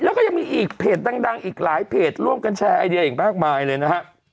แล้วก็ยังมีอีกเพจดังอีกหลายเพจร่วมกันแชร์ไอเดียอีกมากมายเลยนะฮะ